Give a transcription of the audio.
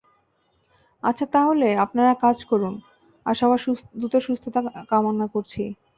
আচ্ছা তাহলে, আপনারা কাজ করুন, আর সবার দ্রুত সুস্থতা কামনা করছি।